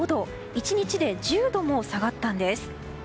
１日で１０度も下がったんです。